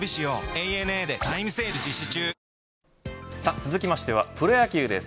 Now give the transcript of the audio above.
続きましてはプロ野球です。